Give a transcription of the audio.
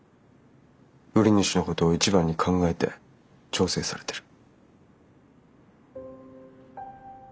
売り主のことを一番に考えて調整されてる。